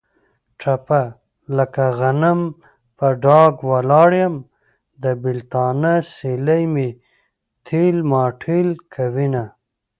ټپه: لکه غنم په ډاګ ولاړ یم. د بېلتانه سیلۍ مې تېل ماټېل کوینه.